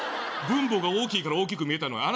分母が大きいから大きく見えたのよ